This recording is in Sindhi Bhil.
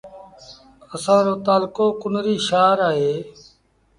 اسآݩ رو تآلڪو ڪنريٚ شآهر اهي